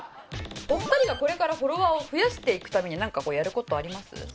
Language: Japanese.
お二人がこれからフォロワーを増やしていくために何かやる事あります？